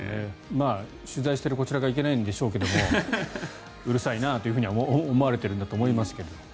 まあ取材しているこちらがいけないんでしょうけれどもうるさいなと思われているんだと思いますけど。